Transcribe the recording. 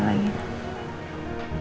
dia tanya lagi